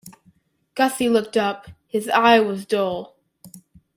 Gussie looked up. His eye was dull.